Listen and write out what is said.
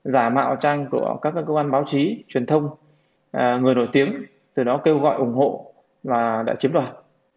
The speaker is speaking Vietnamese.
giả mạo trang của các cơ quan báo chí truyền thông người nổi tiếng từ đó kêu gọi ủng hộ và đã chiếm đoạt